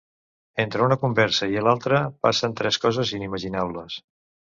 Entre una conversa i l'altra passen tres coses inimaginables.